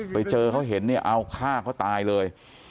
ไปเจอเขาเห็นเนี่ยเอาฆ่าเขาตายเลย